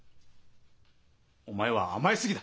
お前は甘えすぎだ！